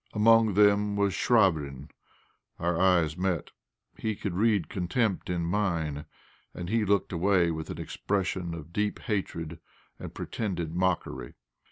Among them was Chvabrine. Our eyes met; he could read contempt in mine, and he looked away with an expression of deep hatred and pretended mockery.